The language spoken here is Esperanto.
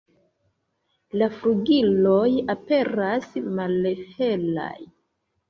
La flugiloj aperas malhelaj.